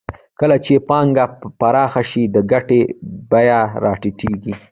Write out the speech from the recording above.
کله چې پانګه پراخه شي د ګټې بیه راټیټېږي